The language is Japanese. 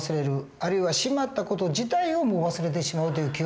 あるいはしまった事自体をもう忘れてしまうという記憶